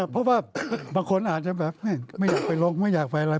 เพราะว่าบางคนอาจจะแบบไม่อยากไปลงไม่อยากไปอะไร